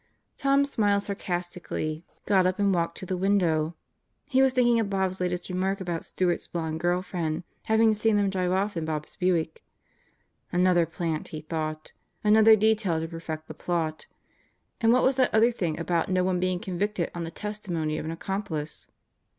Tom smiled sarcastically, got up and walked to the window. He was thinking of Bob's latest remark about Stewart's blonde girl friend having seen them drive off in Bob's Buick. Another plant, he thought. Another detail to perfect the plot. And what was that other thing about no one being convicted on the testi mony of an accomplice?